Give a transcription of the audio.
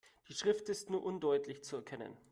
Die Schrift ist nur undeutlich zu erkennen.